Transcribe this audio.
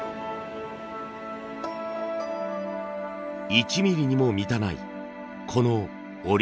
１ミリにも満たないこの織り目。